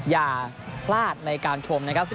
อย่าพลาดในการชมนะครับ